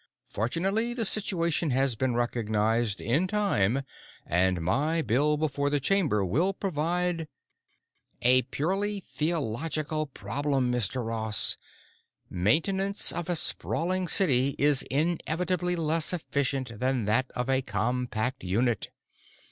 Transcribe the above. Fortunately the situation has been recognized in time and my bill before the Chamber will provide...." "A purely technological problem, Mr. Ross. Maintenance of a sprawling city is inevitably less efficient than that of a compact unit.